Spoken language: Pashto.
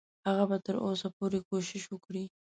هغه به تر اوسه پورې کوشش وکړي.